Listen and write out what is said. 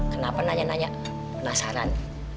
kenapa nanya nanya penasaran